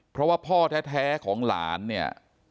เพราะว่าพ่อแท้ของหลานเนี่ย